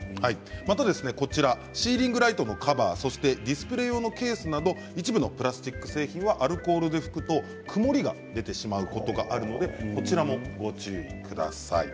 またシーリングライトのカバーディスプレー用のケースなど一部のプラスチック製品はアルコールで拭くと曇りが出てしまうことがあるのでこちらもご注意ください。